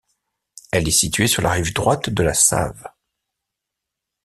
Elle est située sur la rive droite de la Save.